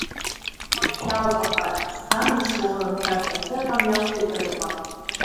Ҭыԥ маншәалоуп, аа, ихьҭам-ишоурам, шәарҭа ахьыҟам иақәшәеит арупап.